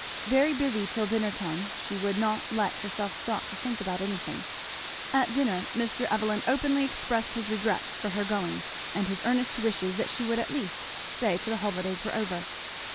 Very busy till dinner time; she would not let herself stop to think about anything. At dinner Mr. Evelyn openly expressed his regrets for her going and his earnest wishes that she would at least stay till the holidays were over.